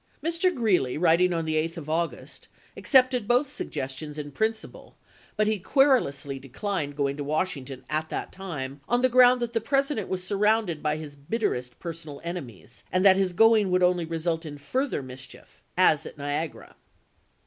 Mr. Greeley, writing on the 8th of August, accepted both sug lee*, gestions in principle, but he querulously declined going to Washington at that time, on the ground that the President was surrounded by his " bitterest personal enemies," and that his going would only result in further mischief, as at Niagara.